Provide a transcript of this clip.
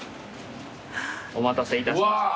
お待たせいたしました。